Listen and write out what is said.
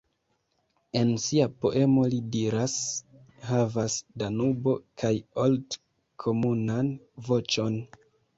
En sia poemo li diras: Havas Danubo kaj Olt komunan voĉon.